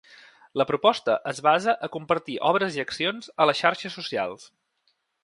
La proposta es basa a compartir obres i accions a les xarxes socials.